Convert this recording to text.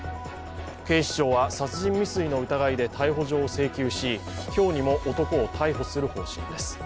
警視庁は殺人未遂の疑いで逮捕状を請求し今日にも男を逮捕する方針です。